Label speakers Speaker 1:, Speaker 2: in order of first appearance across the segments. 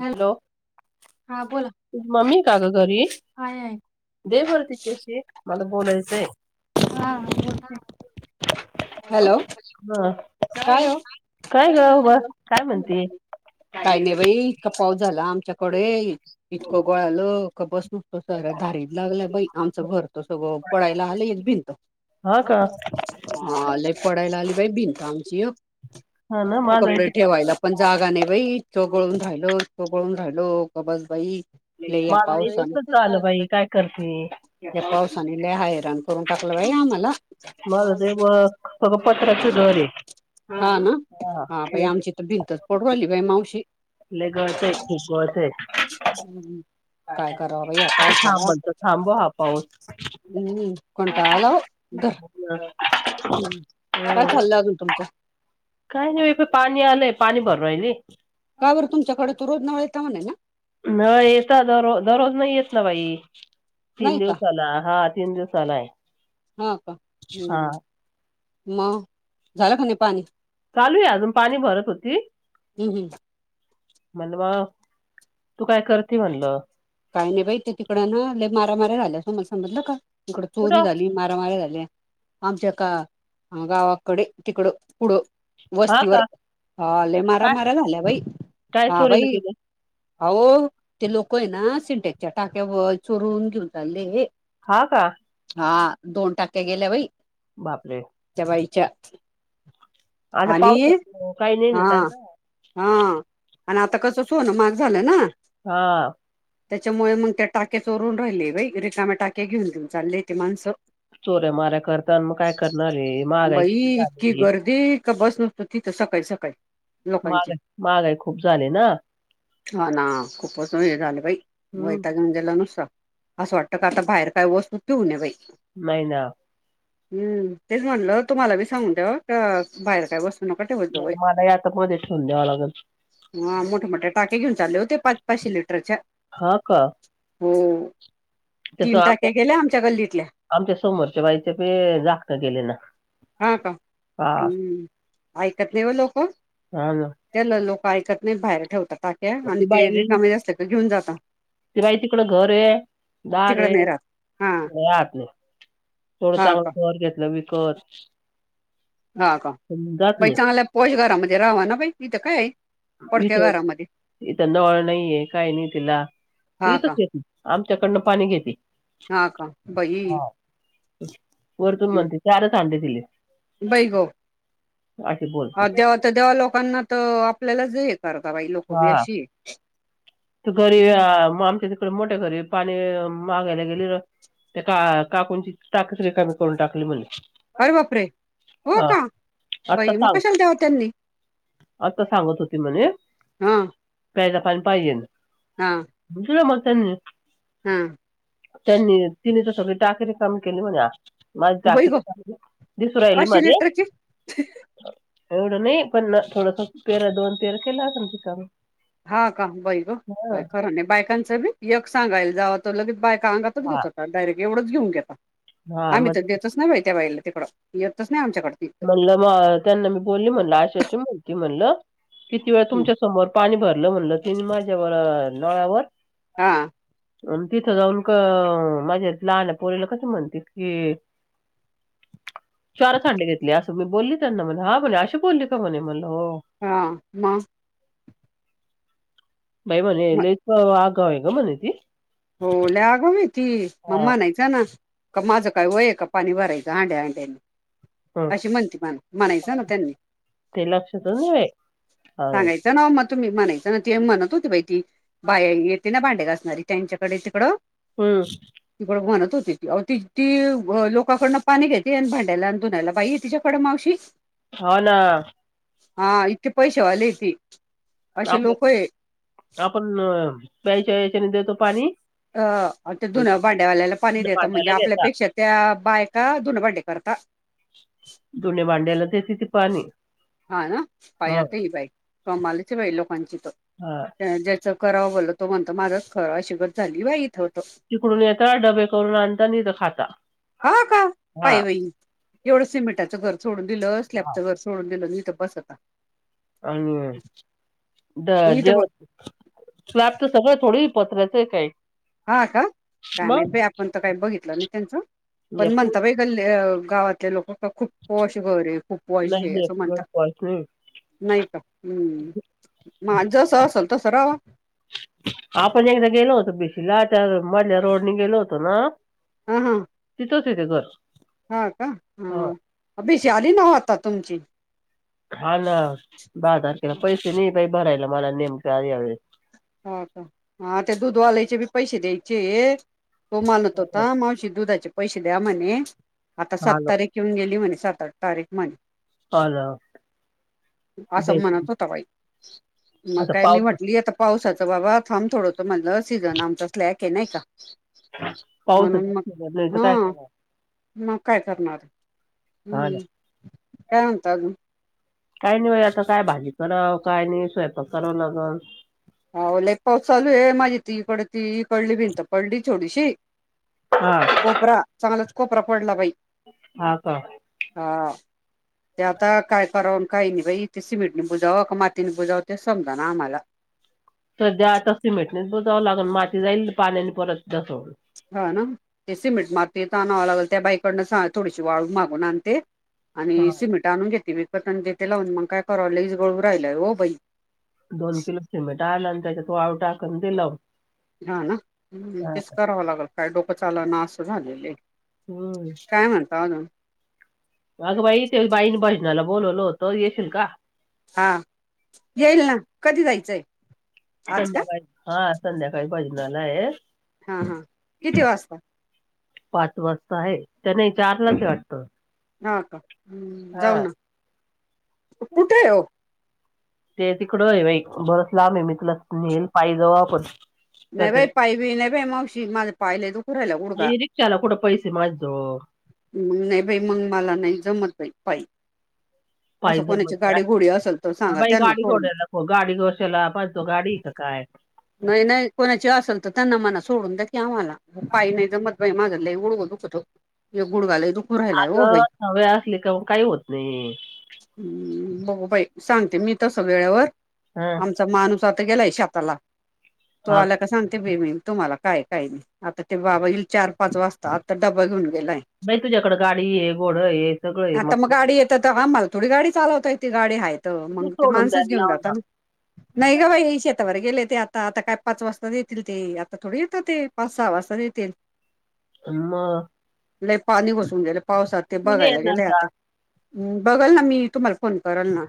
Speaker 1: Hello म्मी काका घरी. देववररतीच्याशी मला बोलायचंय.
Speaker 2: हा बोलते.
Speaker 1: हॅलो हा काय काय गबा काय म्हणते. काही नाही बाई.
Speaker 2: का पाऊ झाला आमच्याकडे इतकं गळालो की बसू त सऱ्या धारीत लागला बाई आमचं घर त सगळं पडायला आलं एक भिन हा पढाईला अलिबाई भिनता आची हो.
Speaker 1: हा ना माझं
Speaker 2: कपडे
Speaker 1: इथ
Speaker 2: ठेवायला पण जागा नाही बाई चो गळून राहिलं. तो पळून झालो कबसबाई ल या
Speaker 1: माझं इ
Speaker 2: पावसाने
Speaker 1: तसच झालं बाई काय करते
Speaker 2: या पावसाने ल हैराण करून ल बा आम्हाला
Speaker 1: माझं ते बघ सगळं पत्राच घर आहे
Speaker 2: हा ना हा प आमची तर भिंतच पडू राहिली बाई मावशी. काय करावं बाई या
Speaker 1: [unintelligible]
Speaker 2: पावसाला
Speaker 1: थांबणतो थांब हा पाऊस.
Speaker 2: हम्म कंटाळा आला ओ हम्म काय
Speaker 1: हम्.
Speaker 2: चाललं अजून तुमचं
Speaker 1: काही नाही पाणी आलेय पाणी भर रायल.
Speaker 2: काय बर तुमच्याकडे तो रोज नवता म्हण ना.
Speaker 1: ना येेत दरोज दररोज नाही येत ना बाई तीन
Speaker 2: नाही का
Speaker 1: दिवसाला हा. तिनसाला आहे.
Speaker 2: हा का
Speaker 1: हा
Speaker 2: हम् म.
Speaker 1: चालू आहे अजून पाणी भरत होती.
Speaker 2: हम्म हम्म
Speaker 1: मणवा तू काय करते म्हणल.
Speaker 2: काही नाही बाहि ते तिकडं ना मारामार्या झाल्या असो मला समजलं का तिकड चोरी
Speaker 1: कुठं
Speaker 2: झाली मारामारी झाली. आमच्या एका गावाकडे तिकडं. पुढं
Speaker 1: हा
Speaker 2: वस्तीवर
Speaker 1: का
Speaker 2: हले मारा
Speaker 1: काय
Speaker 2: मारा झाल्या बाई
Speaker 1: काय
Speaker 2: हा
Speaker 1: चोरीला
Speaker 2: बाई.
Speaker 1: गेले
Speaker 2: अह ते लोक आहे ना सिंटेकच्या टाक्यावर चोरून घेऊन चालले.
Speaker 1: हा का
Speaker 2: हा दोन टाक्या गेल्या बाई
Speaker 1: बापरे
Speaker 2: त्या बाईच्या
Speaker 1: आता
Speaker 2: आणि
Speaker 1: पावसात काही नाही ना
Speaker 2: हा
Speaker 1: त्यांना
Speaker 2: हा आणि आता कस सोन महाग झालं ना?
Speaker 1: हा.
Speaker 2: त्याच्यामुळे मग त्याच्या टाक्या चोरून राहिले बाई रिकाम्या टाक्या घेऊन चालले ते माणसं.
Speaker 1: चोऱ्या माऱ्या करताना मग काय करणारे महागाई
Speaker 2: बाई
Speaker 1: किती
Speaker 2: इतकी
Speaker 1: झालेली.
Speaker 2: गर्दी बस नसतो तिथं सकाळी सकाळी. लोकांची
Speaker 1: महागाई महागाई खूप झाली ना.
Speaker 2: हा ना खूपच हे झालं बाई
Speaker 1: हम्म,
Speaker 2: वैताग घेऊन गेला नुसता असं वाटतं का आता बाहेर काय वस्तू ठेऊ ने बाई.
Speaker 1: नाही ना.
Speaker 2: हम्म तेच म्हटलं तुम्हाला बी सांगून ठेवा बाहेर काय वस्तू नका ठेवत
Speaker 1: नाही
Speaker 2: जाऊ
Speaker 1: तर मला यात मध्ये ठेवून द्यावं लागेल
Speaker 2: हा मोठया मोठया टाक्या घेऊन चालले होते पाच पाचशे लिटरच्या.
Speaker 1: हा का?
Speaker 2: हो
Speaker 1: तस
Speaker 2: तीन
Speaker 1: आमच्या
Speaker 2: टाक्या गेल्या आमच्या गल्लीतल्या
Speaker 1: आमच्या समोरच्या बाईचे बी जाकणं गेले ना.
Speaker 2: हा का
Speaker 1: हा
Speaker 2: हम् ऐकत नाहीव लोक
Speaker 1: हा ना
Speaker 2: चल लोक ऐकत नाही बाहेर ठेवता टाक्या आणि
Speaker 1: ती
Speaker 2: ते
Speaker 1: बाई
Speaker 2: रिकामे असत क घेऊन जातात.
Speaker 1: ती बाई तिकड घर आहे दार
Speaker 2: तिकडं नाही
Speaker 1: आहे
Speaker 2: राहत हा
Speaker 1: तरी राहत नाही येवढा
Speaker 2: हा का
Speaker 1: चांगलं घर घेतलं विकत
Speaker 2: ह का
Speaker 1: जात
Speaker 2: बाई
Speaker 1: नाही
Speaker 2: चांगल्या पॉश घरामध्ये राहावा ना बाई इथं काय आहे. पडक्या
Speaker 1: इथं
Speaker 2: घरामध्ये
Speaker 1: इथं नाळ नाहीये काय नाही तिला
Speaker 2: हा
Speaker 1: इथच
Speaker 2: का
Speaker 1: येती, आमच्याकडनं पाणी घेती.
Speaker 2: हा का बाई
Speaker 1: वरतून म्हणते चारच हांडे
Speaker 2: बाई
Speaker 1: असे बोलते
Speaker 2: ह देव तर देवा लोकांना तर आपल्यालाचेत कारता बाई लोक बी
Speaker 1: हा
Speaker 2: अशी आहे.
Speaker 1: मोठे घरी पाणी मागायला गेली ते का काकूणची टाक रिकामी करून टाकली म्हण.
Speaker 2: अरे बापरे हो का बाई मग कशाला द्याव त्यांनी.
Speaker 1: आता सांगत होती म्हणे.
Speaker 2: हा
Speaker 1: प्यायला पाणी पाहिजे दिल मग त्यांनी.
Speaker 2: हम्
Speaker 1: त्यांनी तिने तर सगळी टाकी रिकामी केली म्हणे माझी
Speaker 2: बाई
Speaker 1: टाकी
Speaker 2: गो
Speaker 1: रिकामी दिसू राहिली
Speaker 2: पाचशे
Speaker 1: म्हणे
Speaker 2: लिटरची
Speaker 1: एवढं नाही पण थोडंस पेरा दोन पेरा केला असेल रिकामं.
Speaker 2: हा का बई ग काय खरं नाही बायकांचं मी एक सांगायला जाव तो लगेच बायक अंगातचत
Speaker 1: हा
Speaker 2: होता डायरेक्ट एवढच घेऊन घेता
Speaker 1: हा
Speaker 2: आम्ही
Speaker 1: मग
Speaker 2: तर
Speaker 1: ते
Speaker 2: देतच ना बाई त्या बाईला तिकड येतच. नाही आमच्याकडं तिथं
Speaker 1: म्हणलं म त्यांना मी बोलली म्हणल आशा अशी बोलती म्हणलं किती वेळ
Speaker 2: हं.
Speaker 1: तुमच्या समोर पाणी भरलं म्हणलं तिनी माझ्या नळावर.
Speaker 2: हा
Speaker 1: तिथं जाऊन का माझ्या लहान पोरीला कस म्हणत कि चार हांडे घेतली असं मी बोलली त्यांना मला हा म्हणे अशी बोलली का म्हणे मला.
Speaker 2: हा म
Speaker 1: बाई म्हणे
Speaker 2: मग-
Speaker 1: लईच आघाव आहे म्हणे ती.
Speaker 2: हो लय आगाव आहे ती मग
Speaker 1: हा
Speaker 2: म्हणायचं ना का माझं काय वय का पाणी भरायचं हांड्या हांड्यानी
Speaker 1: ह
Speaker 2: अशी म्हणते म्हणायचं ना त्यांनी.
Speaker 1: लक्षातच नाही बाई सांगायचं.
Speaker 2: ना मग तुम्ही म्हणायचं ना ते म्हणत होती बाई ती बाय येते ना भांडे घासणारी त्यांच्याकडे तिकडं
Speaker 1: हम!
Speaker 2: हो ती त ती लोकाकडनं पाणी घेते आणि भांडायला आणि धुनायला बाई तिच्याकडे मावशी.
Speaker 1: हो ना.
Speaker 2: हा इथे पैसे वाले येत.
Speaker 1: आपल्या आपण प्यायच्या याच्याने देतो पाणी.
Speaker 2: अ ते धून भाड्यावाल्याला पाणी
Speaker 1: जुन्या
Speaker 2: देतं म्हणजे
Speaker 1: भांड्याला घेता
Speaker 2: आपल्यापेक्षा त्या बायका धुन भाड्या करता.
Speaker 1: धून भांड्याला देते ती पाणी.
Speaker 2: हा ना
Speaker 1: हा
Speaker 2: पायाता ह बाई कमालाची बाई लोकांची
Speaker 1: हा
Speaker 2: तर ज्याच. करावं बोल तो म्हणत माझंच खरां अशी गर झाली बा इथ.
Speaker 1: तिकडून येत डबे करून आणता नि तर खाता.
Speaker 2: हा का
Speaker 1: हा
Speaker 2: पाय बाई एवढं सिमेटचं घर सोडून दिलं
Speaker 1: हा
Speaker 2: स्लॅबचं घर सोडून दि तर बसता.
Speaker 1: आणि
Speaker 2: आणि इथं
Speaker 1: जेव
Speaker 2: ब-
Speaker 1: स्लॅब तर सगळं थोडी. पत्र्याचं आहे काय.
Speaker 2: हा का काय
Speaker 1: मग
Speaker 2: मा आपण तर काही बघितलं नाही त्यांचं पण
Speaker 1: या पोत
Speaker 2: म्हणता बाई गल्. गावातले लोक खूप वॉश घरे खूप वॉश
Speaker 1: नाही
Speaker 2: घे
Speaker 1: नाही,
Speaker 2: असं म्हणतात.
Speaker 1: नाही
Speaker 2: नाही का हम्म जस असेल तसं रावा.
Speaker 1: आपण एकदा गेलो होतो बिसीला त्या मधल्या रोडनी गेलो होतो ना.
Speaker 2: हा हा
Speaker 1: तिथंच आहे ते घर.
Speaker 2: हा का
Speaker 1: हा.
Speaker 2: ह बिशी आली नव्ह आता तुमची.
Speaker 1: हा ना बाजारखेला पैसे नाही भरायला मला नेमका यावे
Speaker 2: हो का हा ते दूध वालायचे बी पैसे द्यायचे. तो मानत होता मावशी दुधाचे पैसे द्या म्हणे आता
Speaker 1: हा
Speaker 2: सात
Speaker 1: ना
Speaker 2: तारीख येऊन गेली म्हणे. सात आठ तारीख म्हणे.
Speaker 1: [unintelligible]
Speaker 2: असं
Speaker 1: द्यायचे
Speaker 2: म्हणत
Speaker 1: नाही.
Speaker 2: होता बाई मग
Speaker 1: आता
Speaker 2: काय मी
Speaker 1: पाऊस
Speaker 2: म्हटली [unintelligible] पावसाचं बाबा थांब थोड म्हणलं सीझन आमचा स्लॅक आहे नाही का.
Speaker 1: पाऊस
Speaker 2: म्हणून मग
Speaker 1: नाही तर काय
Speaker 2: हा
Speaker 1: करणार
Speaker 2: मग काय करणार.
Speaker 1: हा ना
Speaker 2: हम्म काय म्हणता अजून.
Speaker 1: काही नाही व आता काय भाजी करावं काय नाही स्वयंपाक कराव लागल.
Speaker 2: ह्यावेळी लय पाऊस चालू आहे माझी ती इकडली भिंत पडली थोडीशी.
Speaker 1: हा
Speaker 2: कोपरा चांगलाच कोपरा पडला बाई.
Speaker 1: हा का
Speaker 2: हा ते आता काय कर. काही नाही बाई इथे सिमेंटने बुजावं मातीने बुजावं ते समजा ना आम्हाला.
Speaker 1: सध्या आता सिमेंटणे बुजावं लागल माती जाईल पाण्याने परत
Speaker 2: हा ना ते सिमेंट माती त आणावं लागेल त्या बाईकडनं थोडीशी वाळू मागून आणते. आणि
Speaker 1: हा.
Speaker 2: सिमेट आणून घेते मी करत तेथे लावून मग काय कराव लईज गळू राहिलाय हो बई.
Speaker 1: दोन किलो सिमेट आला आणि त्याच्यात वाळ टाकून ते लाव.
Speaker 2: हा ना तेच करावं लागेल काय डोकं चाल ना अस झालेले.
Speaker 1: हम्म
Speaker 2: काय म्हणता अजून?
Speaker 1: अगं बाई ते बाई बजनाला बोलवल तर येशील का?
Speaker 2: हा येईल ना कधी जायचंय. आज का
Speaker 1: संध्याकाळी हा संध्याकाळी भजना ये.
Speaker 2: हा हा किती वाजता?
Speaker 1: पाच वाजता आहे त्या नाही चार ला ते वाटत.
Speaker 2: हा का हम् जाऊ ना. कुठे हो?
Speaker 1: ते तिकड आहे बा बरच लांब आहे मी तुला नेईल पायीजवळ आपण
Speaker 2: नाही बाई
Speaker 1: काहीतरी
Speaker 2: पायी बियी नाही बाई मावशी माझ पाय लय दुखावू राहिला गुडगा.
Speaker 1: रिक्षाला कुठं पैसे माझ्याजवळ
Speaker 2: मंग नाही बाई मंग माला नाही जमर पै. असं
Speaker 1: पायी
Speaker 2: कोणाचे
Speaker 1: जमत नाही.
Speaker 2: गाडी घोडी असं.
Speaker 1: बाई गाडी कोडेला ख गाडी घोशला पाण तो गाडी का काय.
Speaker 2: नाही नाही कोणाची असेल तर त्यांना मना सोडून द्या की आम्हाला पाय नाही जमत. बाई माझ लई गुडघा दुखतो एक गुड
Speaker 1: आग सवय असली का काही होत नाही.
Speaker 2: बघ बाई सांगते मी तसं वेळेवर
Speaker 1: हं,
Speaker 2: आमचा माणूस आता गेलाय शेताला. तो
Speaker 1: हा
Speaker 2: आला का सांग. ते बे म तुम्हाला काय काय नाही आता ते बाबा येईल चार पाच वाजता आता ड्बा घेऊन.
Speaker 1: बाई तुझ्याकडे गाडी आहे घोड आहे सगळं आहे
Speaker 2: आता मग गाडी येतांबल थोडी गाडी. चालवतय त गाडी हाय
Speaker 1: तू
Speaker 2: मग ते
Speaker 1: सोडून
Speaker 2: माणसच
Speaker 1: द्यायला
Speaker 2: घेऊन जात
Speaker 1: लावणार
Speaker 2: नाही ग बाई शेतावर गेले. ते आता आता काय पाच वाजता येतील ते आता थोडे येतं ते पाच सहा वाजता येतील.
Speaker 1: आम.
Speaker 2: नाही पाणी घसून गेले पावसात ते बघायला
Speaker 1: येणार
Speaker 2: गेलेय
Speaker 1: का
Speaker 2: आता. बघाल ना मी तुम्हाला फोन कराल ना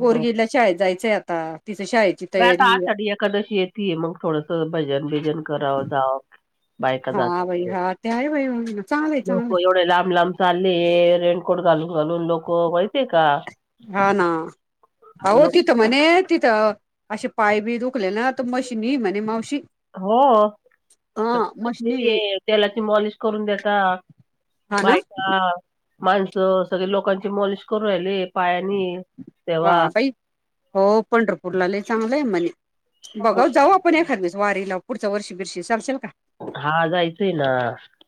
Speaker 2: पोर गिल्या शाळेत जायचं आहे आता. तिच शाळेची
Speaker 1: बाई आता
Speaker 2: तयारी.
Speaker 1: आषाढी एकादशी येत मग थोडस भजन बीजन करावं जाव. बायका
Speaker 2: हा
Speaker 1: जातात
Speaker 2: बाई हा ते आहे बाई चांगलंय
Speaker 1: लोक
Speaker 2: चांगलंय
Speaker 1: एवढे लांब लांब. चाल्ले रेनकोट घालून. घलून लोक वळते का
Speaker 2: हा ना अहो
Speaker 1: लोक.
Speaker 2: तिथं म्हणे तिथं असे पाय बी दुखले ना मशीनी म्हणे मावशी.
Speaker 1: हो
Speaker 2: हा
Speaker 1: सग
Speaker 2: मशनी
Speaker 1: मछली तेलाची मॉलिश करून देतात.
Speaker 2: हा ना
Speaker 1: बायका माणसं सगळे लोकांची मॉलिश करू राहिले पायानी.
Speaker 2: हा
Speaker 1: तेव्हा
Speaker 2: बाई हो पंढरपूरला लई चांगलंय म्हणे. बघा जाऊ आपण एखादवस वारी लाव पुढ वर्ष बरशी सांग.
Speaker 1: हा जायचंय ना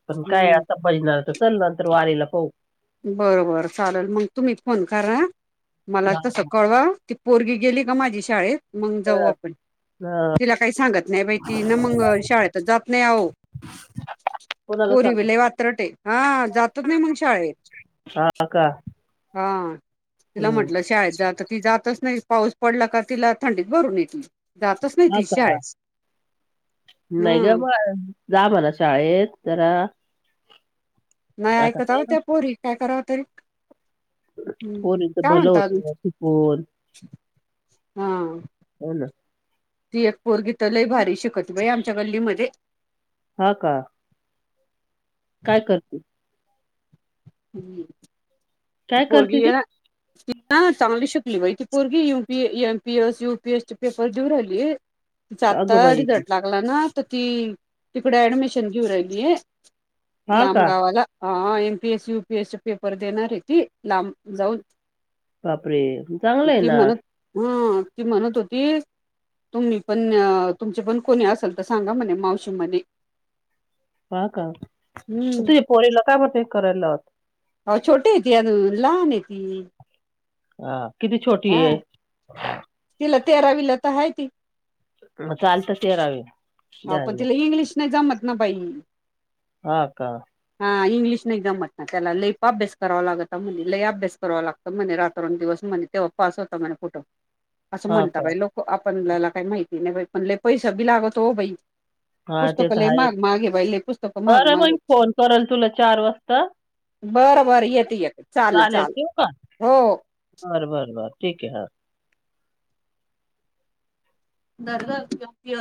Speaker 1: पण काय
Speaker 2: हम्म
Speaker 1: आता बजणार तर चल नंतर वारीला पाहु.
Speaker 2: बरं बरं चालेल मग तुम्ही फोन करा ह मला त स कळवा ती पोरगी गेली का माझी शाळेत. मग जाऊ आपण. तिला काही सांगत नाही बाहि ती ना मग शाळेतच जात नाही आहो.
Speaker 1: कोणाला
Speaker 2: पोरी
Speaker 1: चाल
Speaker 2: विले वात्रटे हा जातच नाही मग शाळेत.
Speaker 1: हा का.
Speaker 2: हा तिला
Speaker 1: हम्म
Speaker 2: म्हंटलं शाळेत जात ती जातच. नाही पाऊस पडला का तिला थंडीत भरून येती. जातच नाही
Speaker 1: हा
Speaker 2: ती
Speaker 1: का
Speaker 2: शाळेत.
Speaker 1: नाही ग
Speaker 2: हम्म
Speaker 1: म जा म्हणा शाळेत जरा.
Speaker 2: नाही ऐकत आह त्या पोरी काय करावं तरी. हम्म
Speaker 1: होन तर
Speaker 2: काय
Speaker 1: भल
Speaker 2: म्हणता
Speaker 1: होत
Speaker 2: अजून
Speaker 1: फन
Speaker 2: हा
Speaker 1: हो ना.
Speaker 2: ती एक पोरगी त लय भारी शिकत बाई आमच्या गल्लीमध्ये.
Speaker 1: हा का. काय करते. काय
Speaker 2: पर
Speaker 1: करते ती
Speaker 2: ग चासश वैथपूर्ी य P M P S U P S paper देऊरायली. तिचा आत्ता
Speaker 1: अगं बाई
Speaker 2: रिझल्ट लागला ना तर ती तिकडे ऍडमिशन घेऊ राहिली आहे.
Speaker 1: हा
Speaker 2: लांब
Speaker 1: का
Speaker 2: गावाला हा एमपीएस युपीएस चे पेपर देणार आहे ती. लांब जाऊन,
Speaker 1: बापरे चांगलंय
Speaker 2: ती
Speaker 1: ना
Speaker 2: म्हणत अ.. म्हणत होती. तीस. तुम्ही पण, तुमचे पण कोणी असल तर सांगा म्हणे मावशी म्हणे,
Speaker 1: का का
Speaker 2: हम्म
Speaker 1: तुझ्या पोरीला काय होतंय करायला.
Speaker 2: अहो छोटी आहे ती, अजून लहान आहे ती.
Speaker 1: हा किती छोटी
Speaker 2: हा
Speaker 1: ये.
Speaker 2: तिला तेरावीला तर आहे ती
Speaker 1: मग चालतं तेरावीला.
Speaker 2: हो, पण तिला इंग्लिश नाही जमत ना बाई.
Speaker 1: हा का
Speaker 2: हा इंग्लिश नाही जमत. त्याला लय अभ्यास करावा लागता, म्हणे लई अभ्यास करावा लागत म्हणे, रात्रोन दिवस म्हणे तेव्हा पास होत म्हणे. कुठं असं
Speaker 1: हा
Speaker 2: म्हणता
Speaker 1: का
Speaker 2: बाई लोक आपल्याला, काही माहिती नाही बाई पण लै पैसा बी लागतो बाई.
Speaker 1: हा ते
Speaker 2: पुस्तक
Speaker 1: तर
Speaker 2: लय
Speaker 1: आहे
Speaker 2: महाग महाग ये बाई. लय पुस्तक महाग
Speaker 1: बरं
Speaker 2: महाग ये.
Speaker 1: मग फोन करल तुला चार वाजता
Speaker 2: बरं बरं येते येते चालेल चालेल हो.
Speaker 1: बर, बर, बर ठीक आहे हं.
Speaker 2: [unintelligible]